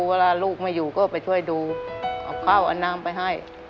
เวลาลูกไม่อยู่ก็ไปช่วยดูเอาข้าวเอาน้ำไปให้